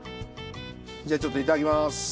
じゃちょっといただきます。